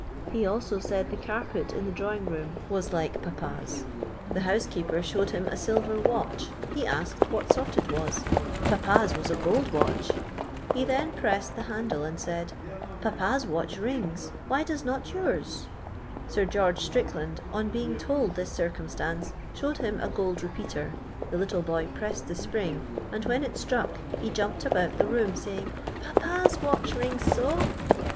He also said the carpet in the drawing room wiis like papa's ; the housekeeper showed him a silver watch, he ai^ked what sort it was ' Papa's was a gold watch ;' he then pressed the handle and said, ' I'apa's watch rings, why dues not yours T Sir (icorgo Strickland, on being told this circum stance, showed him a gold repeater, the little boy pressed the spring, and when it struck, ho jumped nbout the room, saying, ' Papa's watch rings so.'